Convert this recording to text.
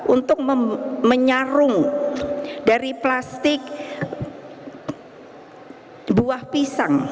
untuk menyarung dari plastik buah pisang